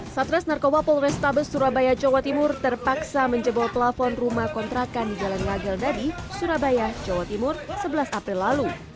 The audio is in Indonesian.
satres narkoba polrestabes surabaya jawa timur terpaksa menjebol pelafon rumah kontrakan di jalan wageldadi surabaya jawa timur sebelas april lalu